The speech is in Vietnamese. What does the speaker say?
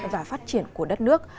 và phát triển của đất nước